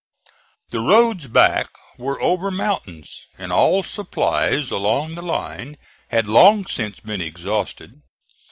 The roads back were over mountains, and all supplies along the line had long since been exhausted.